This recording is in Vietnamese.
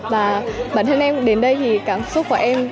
và bản thân em đến đây thì cảm xúc của em